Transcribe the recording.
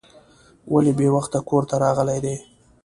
ولې بې وخته کور ته راغلی دی.